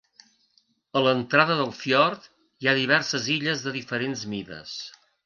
A l'entrada del fiord hi ha diverses illes de diferents mides.